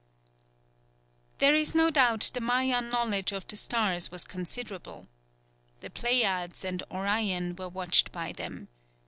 _" There is no doubt the Mayan knowledge of the stars was considerable. The Pleiades and Orion were watched by them.